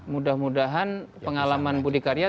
mudah mudahan pengalaman budi karya